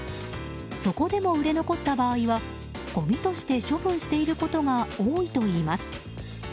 そこでも売れ残った場合はごみとして処分していることが多いといいます。